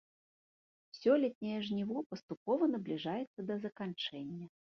Сёлетняе жніво паступова набліжаецца да заканчэння.